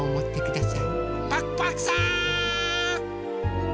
パクパクさん！